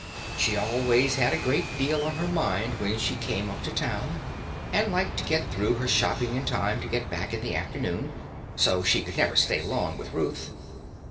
She always had a great deal on her mind when she came up to town, and liked to get through her shopping in time to go back in the afternoon, so she could never stay long with Ruth.